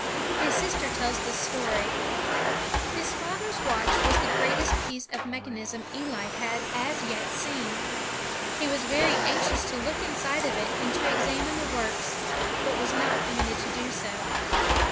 His sister tells this story: "His father's watch was the greatest piece of mechanism Eli had as yet seen. He was very anxious to look inside of it and to examine tha^rorks, but was not permitted to do so.